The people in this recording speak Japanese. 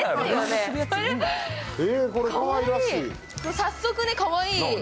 早速かわいい。